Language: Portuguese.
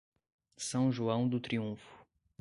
São João do Triunfo